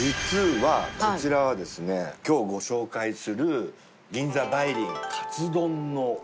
こちらはですね今日ご紹介する銀座梅林カツ丼の具という。